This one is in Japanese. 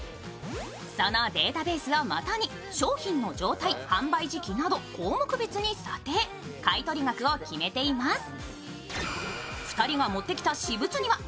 そのデータベースをもとに商品の状態、販売時期など項目別に査定、買取額を決めています。